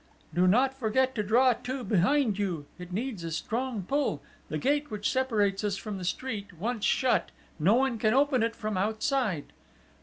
"Do not forget to draw to behind you it needs a strong pull the gate which separates us from the street: once shut, no one can open it from outside."